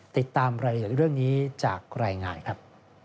ติดตามรายละเอียดเรื่องนี้จากรายงานครับ